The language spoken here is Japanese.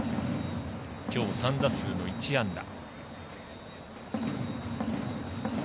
きょう３打数の１安打。